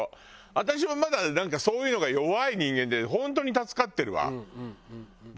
私はまだなんかそういうのが弱い人間で本当に助かってるわ。